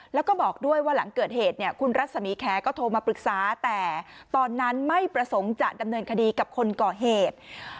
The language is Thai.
แล้วก็บอกด้วยว่าหลังเกิดเหตุเนี่ยคุณรัศมีแคร์ก็โทรมาปรึกษาแต่ตอนนั้นไม่ประสงค์จะดำเนินคดีกับคนก่อเหตุ